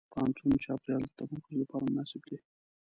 د پوهنتون چاپېریال د تمرکز لپاره مناسب دی.